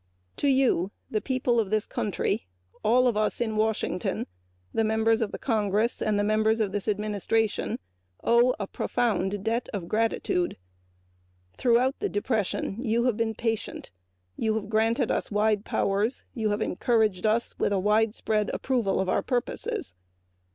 To you, the people of this country, all of us, the Members of the Congress and the members of this administration, owe a profound debt of gratitude. Throughout the depression you have been patient. You have granted us wide powers; you have encouraged us with a widespread approval of our purposes.